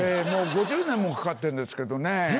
もう５０年もかかってるんですけどね。